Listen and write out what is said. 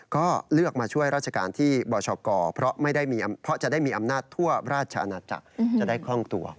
ก็เลือกมาช่วยราชการที่บชกเพราะจะได้มีอำนาจทั่วราชอาณาจักรจะได้คล่องตัว